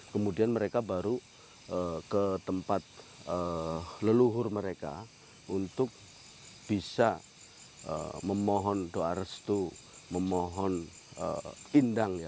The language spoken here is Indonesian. kemudian mereka baru ke tempat leluhur mereka untuk bisa memohon doa restu memohon indang